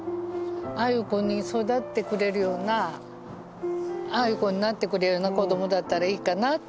ああいう子に育ってくれるようなああいう子になってくれるような子どもだったらいいかなって。